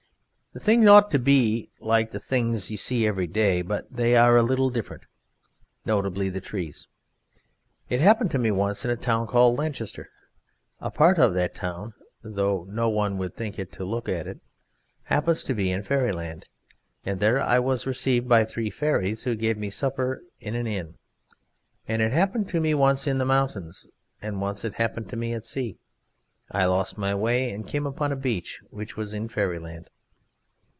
The things ought to be like the things you see every day, but they are a little different, notably the trees. It happened to me once in a town called Lanchester. A part of that town (though no one would think of it to look at it) happens to be in Fairyland. And there I was received by three fairies, who gave me supper in an inn. And it happened to me once in the mountains and once it happened to me at sea. I lost my way and came upon a beach which was in Fairyland.